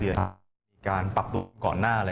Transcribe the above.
มีการปรับตัวก่อนหน้าอะไร